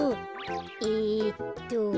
えっと。